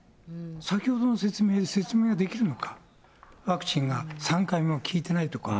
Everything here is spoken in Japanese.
先ほどの説明で説明ができるのか、ワクチンが３回目効いてないとか。